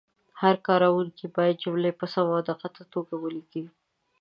هر کارونکی باید جملې په سمه او دقیقه توګه ولیکي.